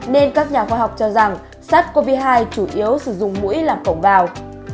nên các nhà khoa học cho rằng sars cov hai chủ yếu sử dụng mũi làm phổng vào